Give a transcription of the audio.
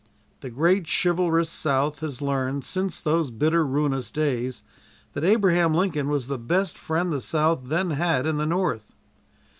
The great chivalrous South has learned, since those bitter, ruinous days, that Abraham Lincoln was the best friend the South then had in the North.